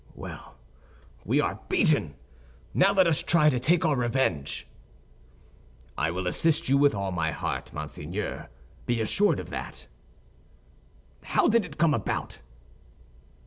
"Well, we are beaten! Now let us try to take our revenge." "I will assist you with all my heart, monseigneur; be assured of that." "How did it come about?"